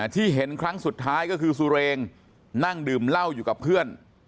ที่เห็นครั้งสุดท้ายก็คือสุเรงนั่งดื่มเหล้าอยู่กับเพื่อน